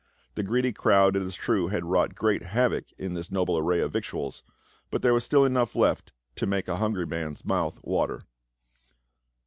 The greedy crowd it is true had wrought great havoc in this noble array of victuals, but there was still enough left to make a hungry man's mouth water.